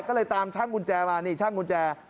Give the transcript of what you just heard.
ก็เลยตามช่างกุญแจมานี่ช่างกุญแจ